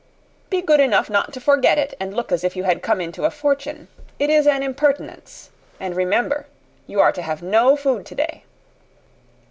"Be good enough not to forget it and look as if you had come into a fortune. It is an impertinence. And remember you are to have no food today."